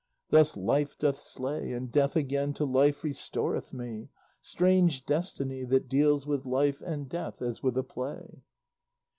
Thus life doth slay, And death again to life restoreth me; Strange destiny, That deals with life and death as with a play!